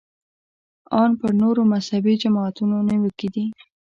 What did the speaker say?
ان پر نورو مذهبي جماعتونو نیوکې دي.